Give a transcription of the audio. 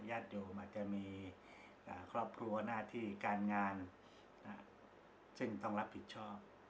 ญาติอยู่มันจะมีอ่าครอบครัวหน้าที่การงานอ่ะซึ่งต้องรับผิดชอบ